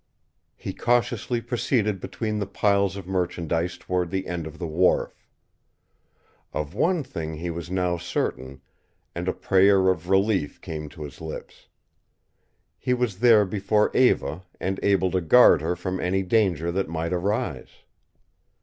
He cautiously proceeded between the piles of merchandise toward the end of the wharf. Of one thing he was now certain and a prayer of relief came to his lips. He was there before Eva and able to guard her from any danger that might arise.